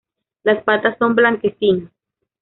Las patas son blanquecinas.